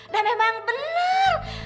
dan memang bener